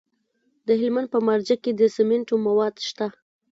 د هلمند په مارجه کې د سمنټو مواد شته.